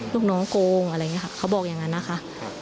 ลูกน้องโกงอะไรอย่างนี้ค่ะเขาบอกอย่างนั้นนะคะ